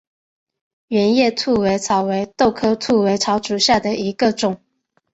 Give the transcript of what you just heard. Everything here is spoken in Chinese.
圆叶兔尾草为豆科兔尾草属下的一个种。